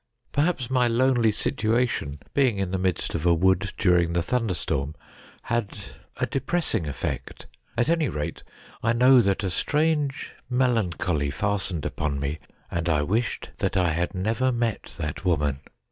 Perhaps my lonely situation, being in the midst of a wood during the thunderstorm, had a depressing effect. At any rate, I know that a strange melancholy fastened upon me, and I wished that I had never met that woman.